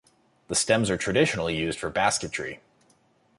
The stems are traditionally used for basketry.